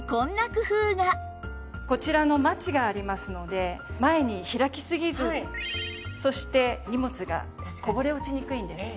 こちらのマチがありますので前に開きすぎずそして荷物がこぼれ落ちにくいんです。